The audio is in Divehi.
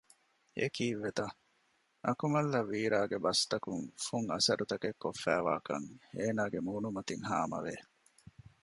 އެކީއްވެތަ؟ އަކުމަލްއަށް ވީރާގެ ބަސްތަކުން ފުން އަސްރުތަކެއް ކޮށްފައިވާކަން އޭނާގެ މޫނުމަތިން ހާމަވެ